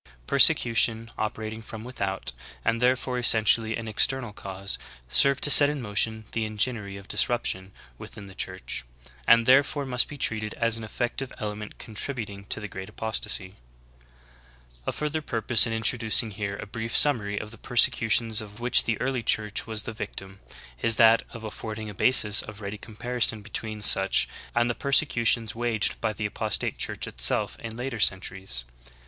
1 Persecution, operating from\ without, and therefore essentially an external cause, served to set in motion the enginery of disruption within the Church, and therefore must be treated as an elective ele ment contributing to the great apostasy, j 6. A further purpose in introducing here a brief sum mary of the persecutions of which the early Church was the victim, is that of affording a basis of ready comparison be tween such and the persecutions waged by the apostate church itself in later centuries.